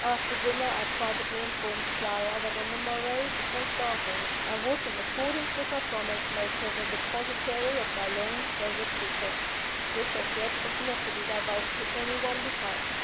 After dinner, I privately informed Clara that on the morrow, before starting, I would, in accordance with my promise, make her the depositary of my long treasured secret which, as yet, was not to be divulged to any one besides.